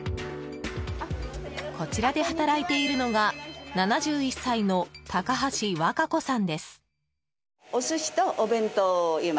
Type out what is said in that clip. こちらで働いているのが７１歳の高橋和歌子さんです。